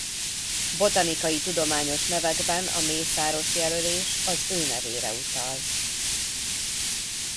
Botanikai tudományos nevekben a Mészáros jelölés az ő nevére utal.